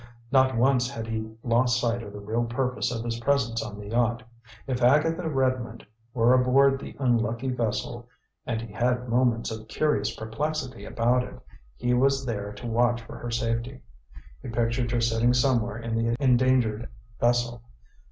Not once had he lost sight of the real purpose of his presence on the yacht. If Agatha Redmond were aboard the unlucky vessel and he had moments of curious perplexity about it he was there to watch for her safety. He pictured her sitting somewhere in the endangered vessel.